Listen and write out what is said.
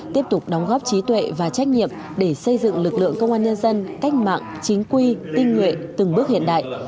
tiếp tục đóng góp trí tuệ và trách nhiệm để xây dựng lực lượng công an nhân dân cách mạng chính quy tinh nguyện từng bước hiện đại